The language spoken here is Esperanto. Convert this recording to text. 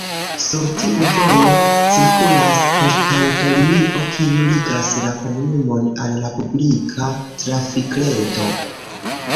Sur tiu-vojo cirkulas poŝtaŭtolinio, kiu ligas la komunumon al la publika trafikreto.